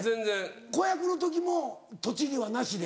子役の時もとちりはなしで？